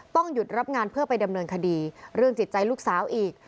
ต้องหยุดรับงานเพื่อไปดำเนินคดีเรื่องจิตใจลูกสาวอีก